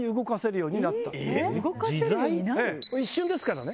自在⁉一瞬ですからね。